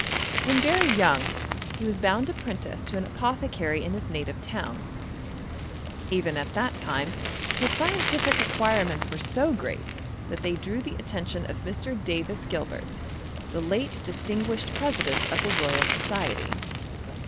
When very young, he was bound apprentice to an apothecary in his native town. Even at that time, his scientihc acquirements were so great, that they drew the attention of Mr, Davis Gilbert, the late distinguished president of the Royal Society.